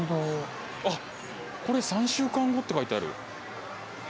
あっこれ「３週間後」って書いてある。